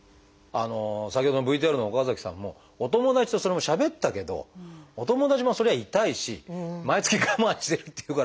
先ほどのＶＴＲの岡崎さんもお友達とそれもしゃべったけどお友達もそりゃ痛いし毎月我慢してるっていうから。